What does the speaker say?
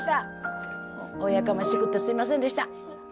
おやかましくてすいませんでした。